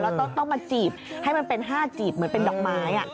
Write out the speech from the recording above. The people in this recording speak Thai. แล้วต้องมาจีบให้มันเป็น๕จีบเหมือนเป็นดอกไม้